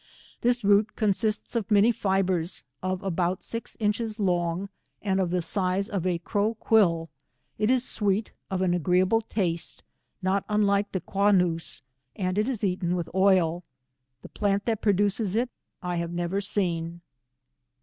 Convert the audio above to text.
This root consists of many fibres, of a bout six inches long, and of the size of a crow quill. It is svveei, of an agreeable taste, not unlike (he Quanoose, and it is eaten with oil. The plant that produces it I have never seen.